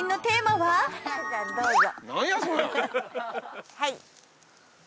はい。